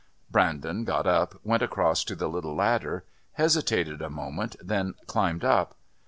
Brandon got up, went across to the little ladder, hesitated a moment, then climbed up.